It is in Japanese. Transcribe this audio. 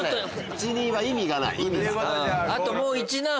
１・２は意味がない！